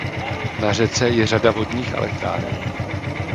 Na řece je řada vodních elektráren.